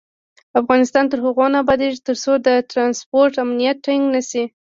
افغانستان تر هغو نه ابادیږي، ترڅو د ترانسپورت امنیت ټینګ نشي.